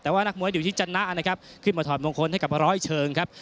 แต่ว่านักมวยอยู่ที่จันนะนะครับขึ้นมาถอดมงคลให้กับร้อยเชิงครับ